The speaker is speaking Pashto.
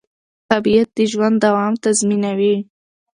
طبیعت د ژوند دوام تضمینوي